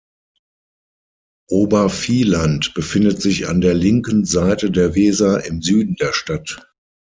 Obervieland befindet sich an der linken Seite der Weser im Süden der Stadt.